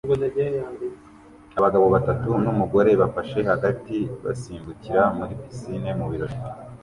Abagabo batatu n’umugore bafashe hagati basimbukira muri pisine mu birori